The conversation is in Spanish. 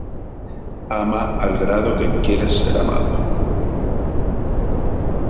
Ama al grado que quieras ser amado.